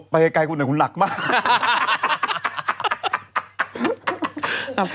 ไปไกลคุณหน่อยคุณหลักมาก